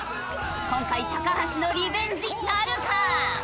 今回橋のリベンジなるか！？